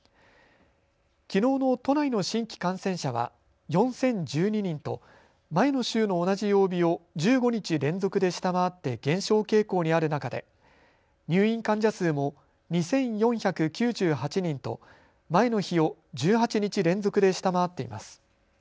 きのうの都内の新規感染者は４０１２人と前の週の同じ曜日を１５日連続で下回って減少傾向にある中で入院患者数も２４９８人と前の日を１８日連続で下回っています。